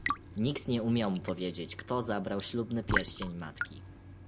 Nikt nie umiał mu powiedzieć, kto zabrał ślubny pierścień matki.